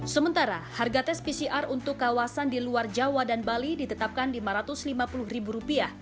sementara harga tes pcr untuk kawasan di luar jawa dan bali ditetapkan rp lima ratus lima puluh